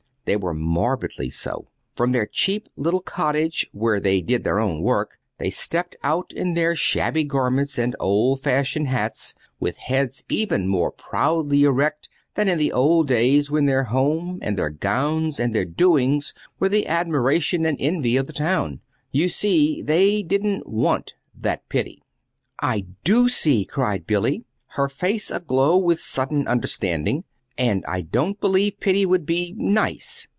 They were morbidly so. From their cheap little cottage, where they did their own work, they stepped out in their shabby garments and old fashioned hats with heads even more proudly erect than in the old days when their home and their gowns and their doings were the admiration and envy of the town. You see, they didn't want that pity." "I do see," cried Billy, her face aglow with sudden understanding; "and I don't believe pity would be nice!"